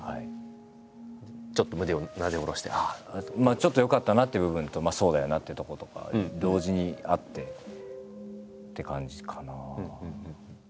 ちょっとよかったなっていう部分とそうだよなってとことか同時にあってって感じかな。